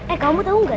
eh kamu tahu nggak